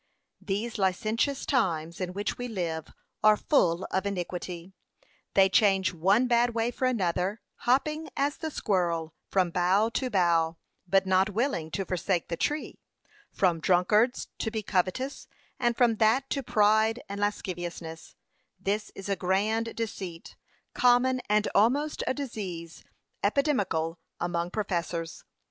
p. 538 These licentious times, in which we live, are full of iniquity.' p. 539. 'They change one bad way for another, hopping, as the squirrel, from bough to bough, but not willing to forsake the tree, from drunkards to be covetous, and from that to pride and lasciviousness this is a grand deceit, common, and almost a disease epidemical among professors.'